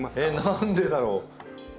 何でだろう？